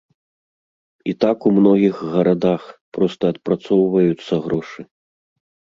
І так у многіх гарадах, проста адпрацоўваюцца грошы.